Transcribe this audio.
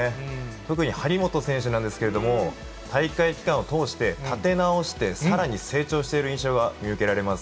特に張本選手なんですけれども、大会期間を通して、立て直して、さらに成長している印象が見受けられます。